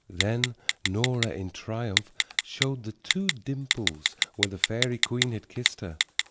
Then Nora in triumph showed the two dimples where the fairy queen had kissed her.